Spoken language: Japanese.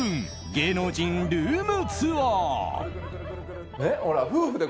芸能人ルームツアー。